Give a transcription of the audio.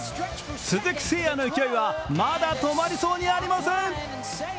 鈴木誠也の勢いはまだ止まりそうにありません！